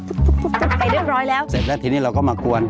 ไปเรียบร้อยแล้วเสร็จแล้วทีนี้เราก็มากวน